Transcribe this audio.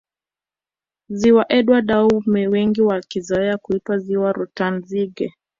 Ziwa Edward au wengi wakizoea kuita Ziwa Rutanzige